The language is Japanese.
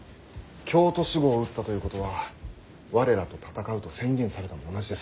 京都守護を討ったということは我らと戦うと宣言されたも同じです。